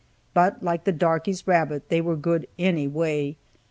But, like the darkey's rabbit, they were good any way.